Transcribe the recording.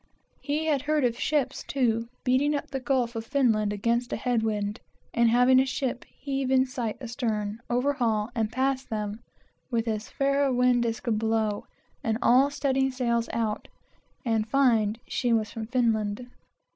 He had heard of ships, too, beating up the gulf of Finland against a head wind, and having a ship heave in sight astern, overhaul and pass them, with as fair a wind as could blow, and all studding sails out, and find she was from Finland.